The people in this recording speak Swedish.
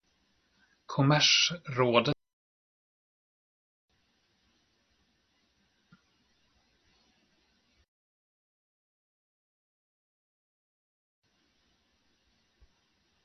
Kommerserådets skyddsling hör säkerligen icke till dem.